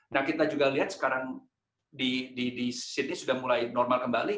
nah kita juga lihat sekarang di sydney sudah mulai normal kembali